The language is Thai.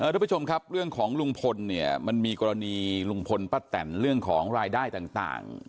ทุกผู้ชมครับเรื่องของลุงพลเนี่ยมันมีกรณีลุงพลป้าแตนเรื่องของรายได้ต่าง